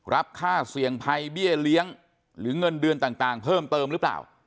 รับค่าเสี่ยงภัยเบี้ยเลี้ยงหรือเงินเดือนต่างเพิ่มเติมหรือเปล่า